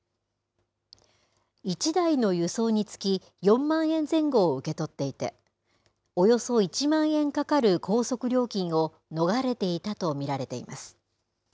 １台の輸送につき、４万円前後を受け取っていて、およそ１万円かかる高速料金を逃れていたと見られています。